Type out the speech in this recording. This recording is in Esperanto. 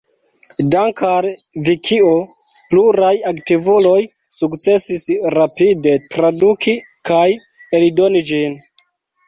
Dank'al Vikio, pluraj aktivuloj sukcesis rapide traduki kaj eldoni ĝin.